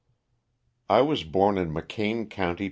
T WAS born in McOane county, Pa.